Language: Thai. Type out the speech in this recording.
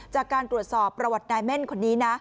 จากการตรวจสอบประวัตินายเม่นคนนี้นะ